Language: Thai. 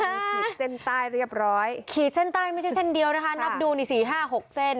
ขีดเส้นใต้เรียบร้อยขีดเส้นใต้ไม่ใช่เส้นเดียวนะคะนับดูนี่สี่ห้าหกเส้น